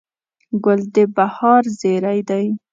ګل د بهار زېری دی.